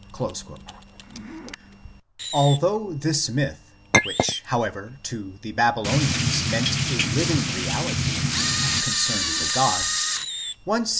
2 Although this myth, which, however, to the Babylonians meant a living reality, concerned the gods, one sees from 1 See Ezek.